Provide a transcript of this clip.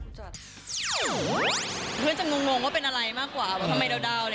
เพื่อนจะงงว่าเป็นอะไรมากกว่าว่าทำไมดาวอะไร